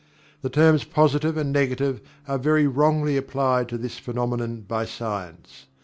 The terms Positive and Negative are very wrongly applied to this phenomenon by science.